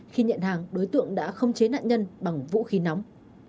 khi nhận hàng đối tượng đã không chế nạn nhân bằng vũ khí nóng